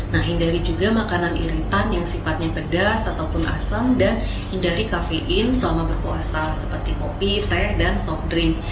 nah hindari juga makanan iritan yang sifatnya pedas ataupun asem dan hindari kafein selama berpuasa seperti kopi teh dan soft dream